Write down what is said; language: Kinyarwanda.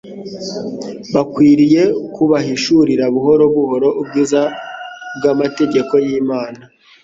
bakwiriye kubahishurira buhoro buhoro ubwiza bw'amategeko y'imana.